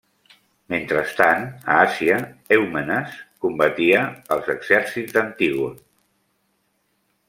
Mentrestant, a Àsia, Èumenes combatia els exèrcits d'Antígon.